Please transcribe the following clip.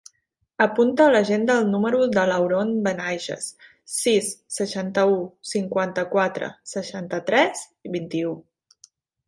Apunta a l'agenda el número de l'Haroun Benaiges: sis, seixanta-u, cinquanta-quatre, seixanta-tres, vint-i-u.